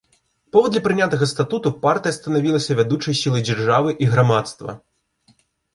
Паводле прынятага статуту, партыя станавілася вядучай сілай дзяржавы і грамадства.